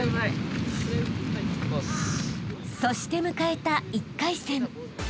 ［そして迎えた１回戦］